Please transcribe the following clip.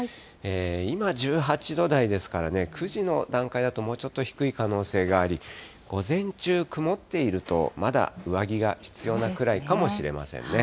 今、１８度台ですからね、９時の段階だともうちょっと低い可能性があり、午前中、曇っていると、まだ上着が必要なくらいかもしれませんね。